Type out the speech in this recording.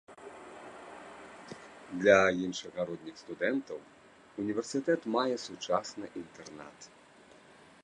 Для іншагародніх студэнтаў універсітэт мае сучасны інтэрнат.